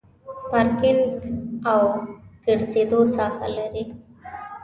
پارکینګ او د ګرځېدو ساحه لري.